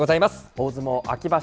大相撲秋場所